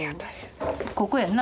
ここやんな？